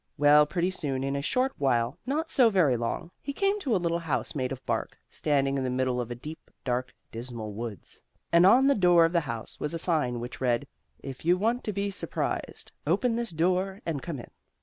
Well, pretty soon, in a short while, not so very long, he came to a little house made of bark, standing in the middle of a deep, dark, dismal woods. And on the door of the house was a sign which read: "If you want to be surprised, open this door and come in."